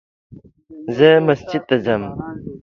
زه مسجد ته ځم